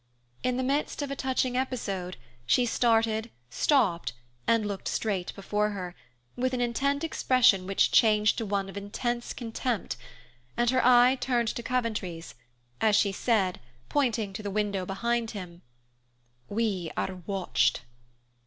In the midst of a touching episode she started, stopped, and looked straight before her, with an intent expression which changed to one of intense contempt, and her eye turned to Coventry's, as she said, pointing to the window behind him, "We are watched."